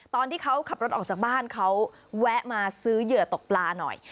ตอนที่เขาขับรถออกจากบ้านเขาแวะมาซื้อเหยื่อตกปลาหน่อย